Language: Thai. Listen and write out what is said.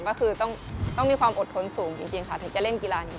ก็คือต้องมีความอดทนสูงจริงค่ะถึงจะเล่นกีฬานี้